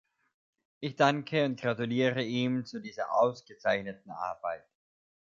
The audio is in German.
Ich danke und gratuliere ihm zu dieser ausgezeichneten Arbeit.